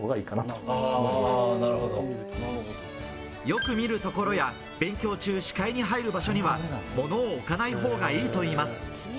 よく見る所や勉強中、視界に入る場所には物を置かないほうがいいといいます。